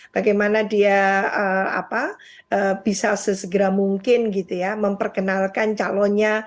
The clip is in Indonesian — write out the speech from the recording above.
bagaimana dia bisa sesegera mungkin memperkenalkan calonnya